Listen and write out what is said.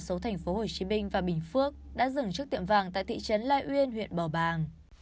xấu thành phố hồ chí minh và bình phước đã dừng trước tiệm vàng tại thị trấn lai uyên huyện bò bàng